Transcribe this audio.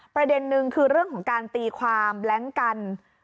ประเด็นนึงคือเรื่องของการตีความแบล็งกัน